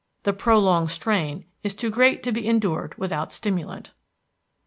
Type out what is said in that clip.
The prolonged strain is too great to be endured without stimulant.